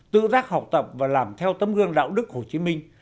tự giác học tập và làm theo tấm gương đạo đức hồ chí minh